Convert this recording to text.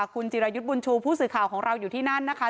คุณจิรายุทะบูรย์ชูผู้สื่อข่าวของเราที่นั่นนะคะ